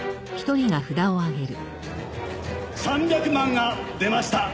３００万が出ました。